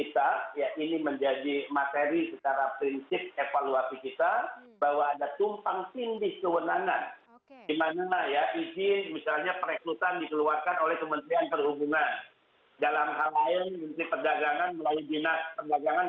tadi saya jelaskan selama ini